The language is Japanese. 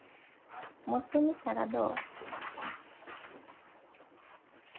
持ってみたらどう？